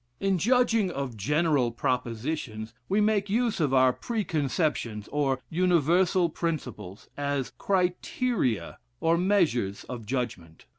In judging of general propositions, we make use of our pre conceptions, or universal principles, as criteria, or measures of judgment.